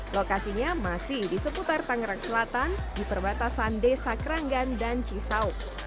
lokasinya masih di seputar tangerang selatan di perbatasan desa keranggan dan cisau